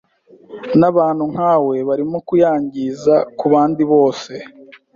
Nabantu nkawe barimo kuyangiza kubandi bose.